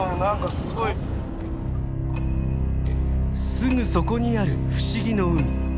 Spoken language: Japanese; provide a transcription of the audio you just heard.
すぐそこにある不思議の海。